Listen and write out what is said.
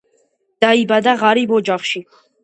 დაიბადა ღარიბ ოჯახში.